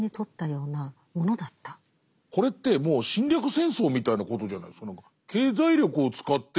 これってもう侵略戦争みたいなことじゃないですか。